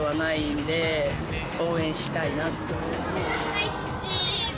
はいチーズ。